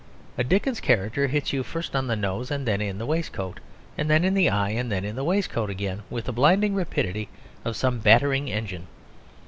A Dickens character hits you first on the nose and then in the waistcoat, and then in the eye and then in the waistcoat again, with the blinding rapidity of some battering engine.